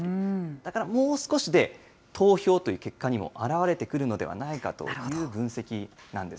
だから、もう少しで投票という結果にも表れてくるのではないかという分析なんです。